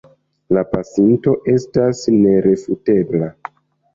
La pasinto estas nerefutebla.